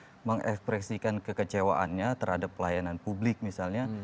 orang ekspresikan kekecewaannya terhadap pelayanan publik misalnya